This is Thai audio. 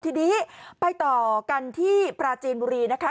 ทีนี้ไปต่อกันที่ปราจีนบุรีนะคะ